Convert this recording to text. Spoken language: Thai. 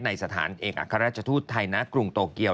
สถานเอกอัครราชทูตไทยณกรุงโตเกียว